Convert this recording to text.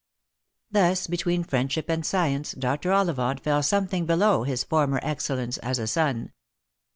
Thus, between friendship and science, Dr. Ollivant fell some thing below his former excellence as a son.